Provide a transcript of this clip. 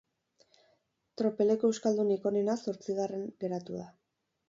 Tropeleko euskaldunik onena zortzigarren geratu da.